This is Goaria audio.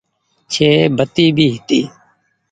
ڇي بتي ڀي هيتي۔